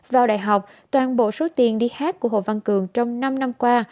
vào đại học toàn bộ số tiền đi khác của hồ văn cường trong năm năm qua